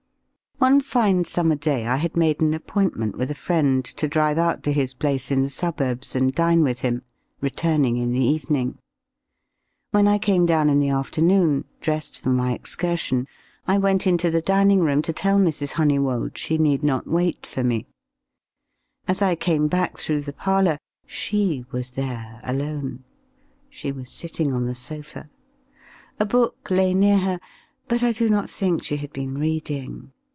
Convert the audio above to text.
One fine summer day I had made an appointment with a friend to drive out to his place in the suburbs and dine with him, returning in the evening. When I came down in the afternoon, dressed for my excursion, I went into the dining room to tell Mrs. Honeywold she need not wait for me. As I came back through the parlour, she was there alone. She was sitting on the sofa. A book lay near her, but I do not think she had been reading.